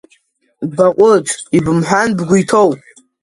Баҟәыҵ, ибымҳәан бгәы иҭоу…